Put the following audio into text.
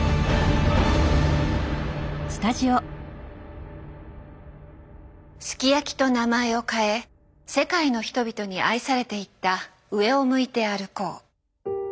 「ＳＵＫＩＹＡＫＩ」と名前を変え世界の人々に愛されていった「上を向いて歩こう」。